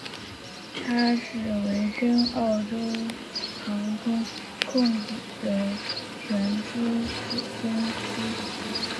它是维珍澳洲航空控股的全资子公司。